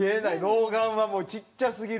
老眼はもうちっちゃすぎる。